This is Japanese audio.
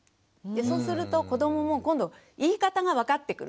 そうすると子どもも今度言い方が分かってくる。